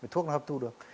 thuốc nó hấp thu được